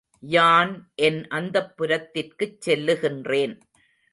யான் என் அந்தப்புரத்திற்குச் செல்லுகின்றேன்.